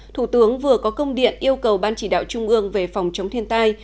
thủ tướng vừa có công điện yêu cầu ban chỉ đạo trung ương về phòng chống thiên tai